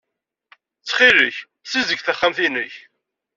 Ttxil-k, ssizdeg taxxamt-nnek.